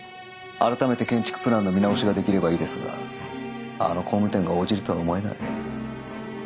改めて建築プランの見直しができればいいですがあの工務店が応じるとは思えない。